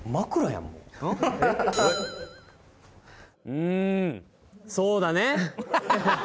うんそうだね